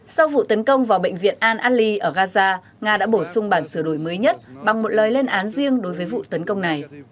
sau vụ tấn công vào bệnh viện al ali ở gaza nga đã bổ sung bản sửa đổi mới nhất bằng một lời lên án riêng đối với vụ tấn công này